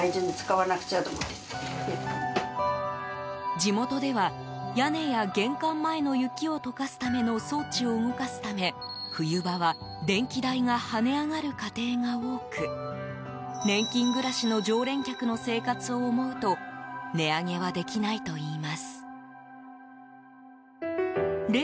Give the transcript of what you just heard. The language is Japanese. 地元では、屋根や玄関前の雪を解かすための装置を動かすため冬場は電気代が跳ね上がる家庭が多く年金暮らしの常連客の生活を思うと値上げはできないといいます。